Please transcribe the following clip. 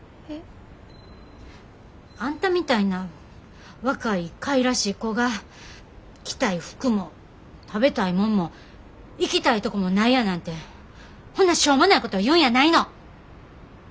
えっ？あんたみたいな若いかいらしい子が着たい服も食べたいもんも行きたいとこもないやなんてほんなしょうもないこと言うんやないの！